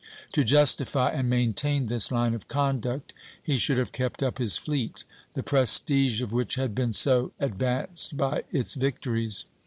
To justify and maintain this line of conduct he should have kept up his fleet, the prestige of which had been so advanced by its victories.